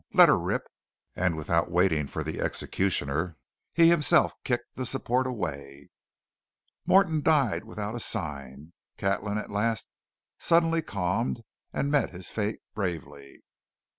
Let her rip!" and without waiting for the executioner, he himself kicked the support away. Morton died without a sign. Catlin, at the last, suddenly calmed, and met his fate bravely.